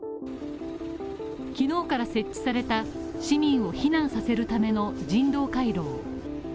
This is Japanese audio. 昨日から設置された市民を避難させるための人道回廊。